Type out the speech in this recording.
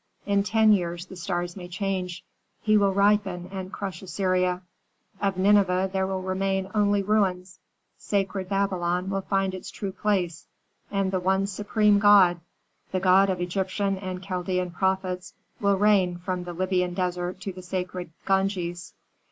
In ten years the stars may change; he will ripen and crush Assyria. Of Nineveh there will remain only ruins, sacred Babylon will find its true place, and the one supreme God, the God of Egyptian and Chaldean prophets, will reign from the Libyan desert to the sacred Ganges."